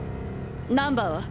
ナンバーは？